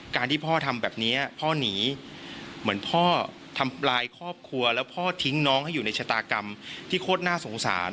ที่พ่อทำแบบนี้พ่อหนีเหมือนพ่อทำลายครอบครัวแล้วพ่อทิ้งน้องให้อยู่ในชะตากรรมที่โคตรน่าสงสาร